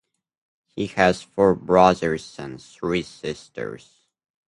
He has four brothers and three sisters.